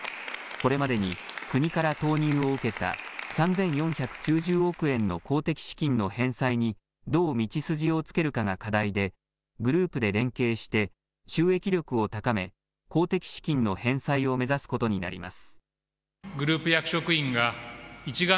これまでに国から投入を受けた３４９０億円の公的資金の返済にどう道筋をつけるかが課題でグループで連携して収益力を高め公的資金の返済を目指すことになります。